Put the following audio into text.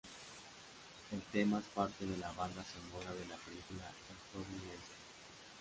El tema es parte de la banda sonora de la película "El joven Einstein".